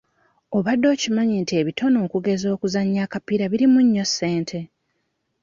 Obadde okimanyi nti ebitone okugeza okuzannya akapiira birimu nnyo ssente?